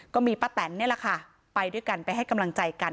ก็มีป้าแตนนี่แหละค่ะไปด้วยกันไปให้กำลังใจกัน